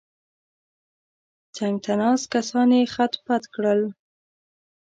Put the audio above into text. څنګ ته ناست کسان یې خت پت کړل.